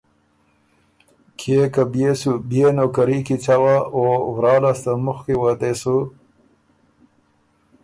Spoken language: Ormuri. کيې که بيې سو بيې نوکري کی څوا او ورا لاسته مُخکی وه دې سو